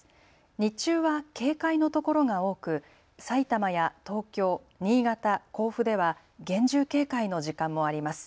日中は警戒のところが多くさいたまや東京、新潟、甲府では厳重警戒の時間もあります。